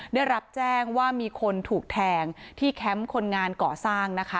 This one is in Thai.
ได้รับแจ้งว่ามีคนถูกแทงที่แคมป์คนงานก่อสร้างนะคะ